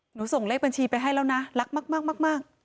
ส่งเลขบัญชีไปให้แล้วนะรักมาก